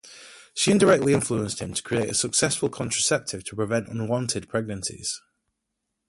She indirectly influenced him to create a successful contraceptive to prevent unwanted pregnancies.